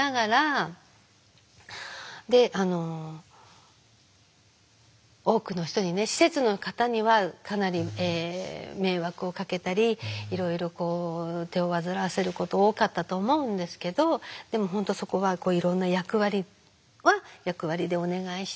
で多くの人にね施設の方にはかなり迷惑をかけたりいろいろこう手を煩わせること多かったと思うんですけどでも本当そこはいろんな役割は役割でお願いして。